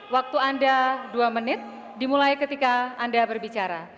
waktu anda dua menit dimulai ketika anda berbicara